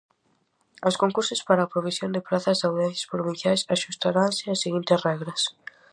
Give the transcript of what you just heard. Os concursos para a provisión de prazas de audiencias provinciais axustaranse ás seguintes regras: